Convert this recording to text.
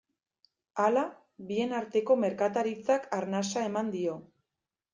Hala, bien arteko merkataritzak arnasa eman dio.